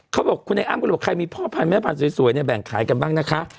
เขาบอกคุณไอ้อ้ำก็เลยบอกใครมีพ่อพันธุแม่พันธุ์สวยเนี่ยแบ่งขายกันบ้างนะคะ